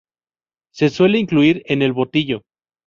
Se suele incluir en el botillo.